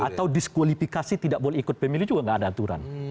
atau diskualifikasi tidak boleh ikut pemilu juga nggak ada aturan